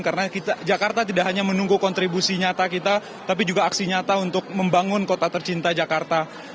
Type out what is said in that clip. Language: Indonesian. karena jakarta tidak hanya menunggu kontribusi nyata kita tapi juga aksi nyata untuk membangun kota tercinta jakarta